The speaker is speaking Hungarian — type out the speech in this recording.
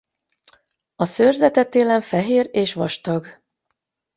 A szőrzete télen fehér és vastag.